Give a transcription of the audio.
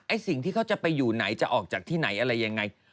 สิ่งที่เขาจะไปอยู่ไหนจะออกจากที่ไหนอะไรยังไง